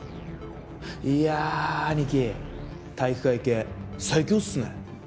いやあ兄貴体育会系最強っすね。